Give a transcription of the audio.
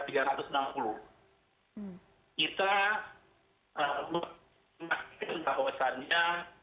kita memastikan bahwasannya